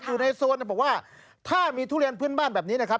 อยู่ในโซนบอกว่าถ้ามีทุเรียนพื้นบ้านแบบนี้นะครับ